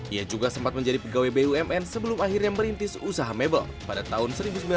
ia juga sempat menjadi pegawai bumn sebelum akhirnya merintis usaha mebel pada tahun seribu sembilan ratus sembilan puluh